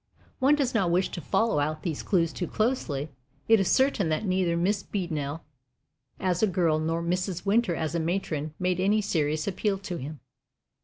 One does not wish to follow out these clues too closely. It is certain that neither Miss Beadnell as a girl nor Mrs. Winter as a matron made any serious appeal to him.